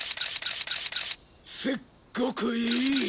すっごくいい！